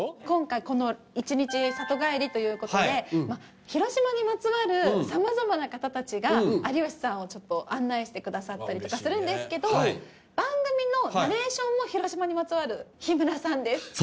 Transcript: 今回この１日里帰りということでまあ広島にまつわる様々な方達が有吉さんをちょっと案内してくださったりとかするんですけど番組のナレーションも広島にまつわる日村さんです